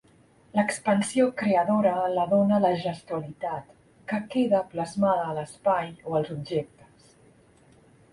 L'expansió creadora la dóna la gestualitat, que queda plasmada a l'espai o als objectes.